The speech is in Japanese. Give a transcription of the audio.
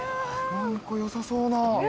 何かよさそうな。